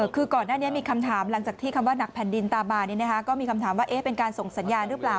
ก็มีคำถามว่าเอ๊ะเป็นการส่งสัญญาณรึเปล่า